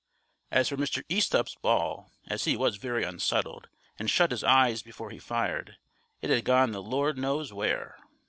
As for Mr. Easthupp's ball, as he was very unsettled, and shut his eyes before he fired, it had gone the Lord knows where.